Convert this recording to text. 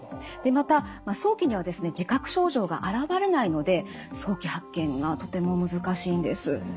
また早期にはですね自覚症状が現れないので早期発見がとても難しいんです。